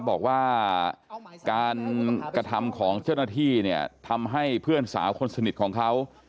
บอกว่าการกระทำของเจ้าหน้าที่เนี่ยทำให้เพื่อนสาวคนสนิทของเขา